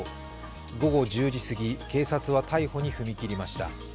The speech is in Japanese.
午後１０時すぎ、警察は逮捕に踏み切りました。